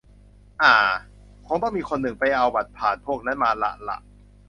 อ๋า คงต้องมีคนหนึ่งไปเอาบัตรผ่านพวกนั้นมาละล่ะ